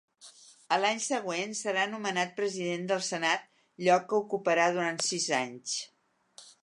A l'any següent serà nomenat president del Senat lloc que ocuparà durant sis anys.